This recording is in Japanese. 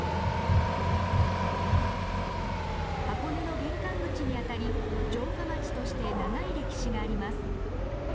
箱根の玄関口にあたり城下町として長い歴史があります。